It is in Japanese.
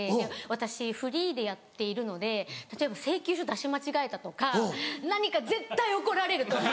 私フリーでやっているので例えば請求書出し間違えたとか何か絶対怒られると思って。